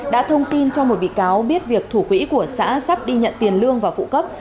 đã thông tin cho một bị cáo biết việc thủ quỹ của xã sắp đi nhận tiền lương và phụ cấp